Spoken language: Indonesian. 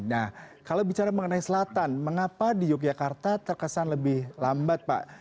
nah kalau bicara mengenai selatan mengapa di yogyakarta terkesan lebih lambat pak